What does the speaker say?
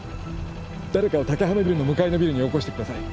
誰かを竹浜ビルの向かいのビルによこしてください